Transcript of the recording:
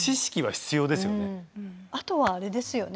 あとはあれですよね